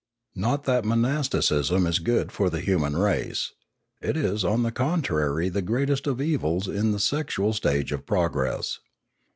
Not that monasticism is good for the human race. It is on the contrary the greatest of evils in the sexual stage of progress.